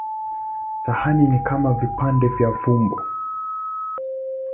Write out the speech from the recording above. Sahani ni kama vipande vya fumbo.